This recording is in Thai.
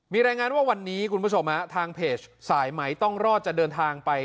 มีรายงานว่าวันนี้คุณผู้ชมฮะทางเพจสายไหมต้องรอดจะเดินทางไป